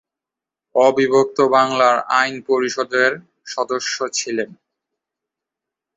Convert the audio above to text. অবিভক্ত বাংলার আইন পরিষদের সদস্য ছিলেন।